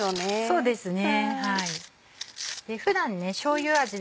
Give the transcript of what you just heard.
そうですね。